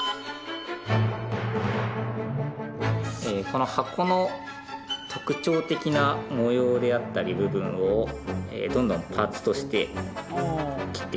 この箱の特徴的な模様であったり部分をどんどんパーツとして切っていきます。